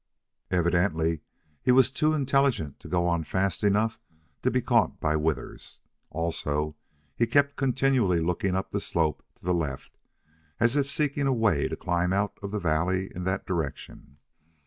Evidently he was too intelligent to go on fast enough to be caught by Withers. Also he kept continually looking up the slope to the left as if seeking a way to climb out of the valley in that direction.